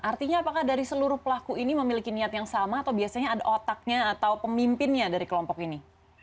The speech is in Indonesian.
artinya apakah dari seluruh pelaku ini memiliki niat yang sama atau biasanya ada otaknya atau pemimpinnya dari kelompok ini